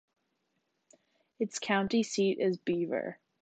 Its county seat is Beaver.